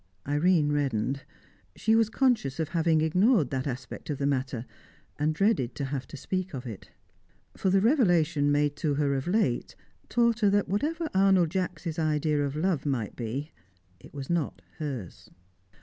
Irene reddened. She was conscious of having ignored that aspect of the matter, and dreaded to have to speak of it. For the revelation made to her of late taught her that, whatever Arnold Jacks' idea of love might be, it was not hers.